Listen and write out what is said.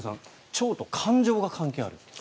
腸と感情が関係あるという。